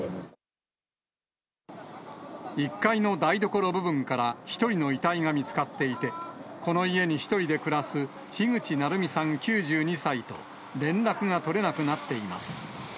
１階の台所部分から１人の遺体が見つかっていて、この家に１人で暮らす樋口ナルミさん９２歳と連絡が取れなくなっています。